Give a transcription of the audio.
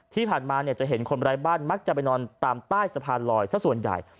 ที่ผ่านมาจะเห็นคนร้ายบ้านมักจะไปนอนตามใต้สะพานลอยสักส่วนใหญ่